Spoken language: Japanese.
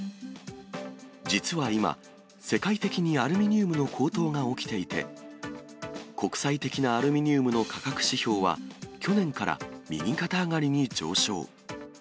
実は今、世界的にアルミニウムの高騰が起きていて、国際的なアルミニウムの価格指標は、去年から右肩上がりに上昇。